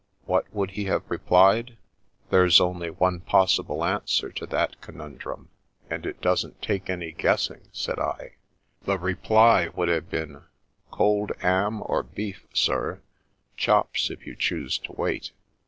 ' What would he have replied ?"" There's only one possible answer to that conun drum, and it doesn't take any guessing," said I. " The reply would have been :' Cold 'am or beef, sir ; chops, if you choose to wait.'